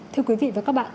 thưa quý vị và các bạn